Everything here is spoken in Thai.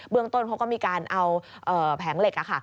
ต้นเขาก็มีการเอาแผงเหล็ก